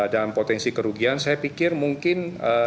dan potensi kerugian saya pikir mungkin